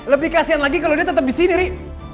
lebih kasian lagi kalo dia tetep disini ri